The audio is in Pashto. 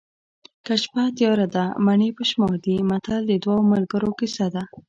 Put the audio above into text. که شپه تیاره ده مڼې په شمار دي متل د دوو ملګرو کیسه ده